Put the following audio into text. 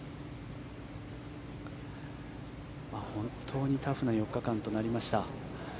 本当にタフな４日間となりました。